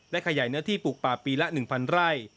และขยายเนื้อที่ปลูกป่าปีละหนึ่งพันไร่